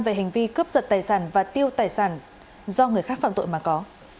về hành vi cướp giật tài sản và tiêu tài sản do người khác phạm tội mà có